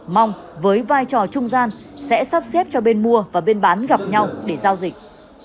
mong với vai trò trung gian sẽ sắp xếp cho bên mua và bên bán gặp nhau để giao dịch